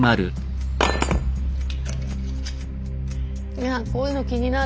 いやこういうの気になる。